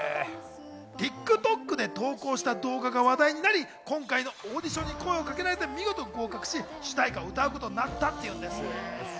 ＴｉｋＴｏｋで投稿した動画が話題になり、今回のオーディションに声をかけられて見事合格し、主題歌を歌うことになったっていうんです。